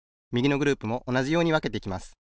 みぎのグループもおなじようにわけていきます。